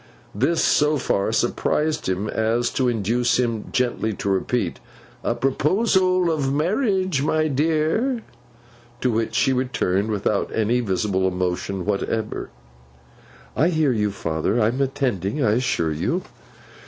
This so far surprised him, as to induce him gently to repeat, 'a proposal of marriage, my dear.' To which she returned, without any visible emotion whatever: 'I hear you, father. I am attending, I assure you.